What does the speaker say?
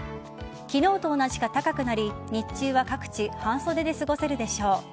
昨日と同じか高くなり日中は各地半袖で過ごせるでしょう。